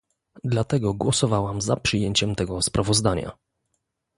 Dlatego głosowałam za przyjęciem tego sprawozdania